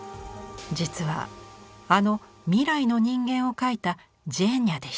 実はあの「未来の人間」を描いたジェーニャでした。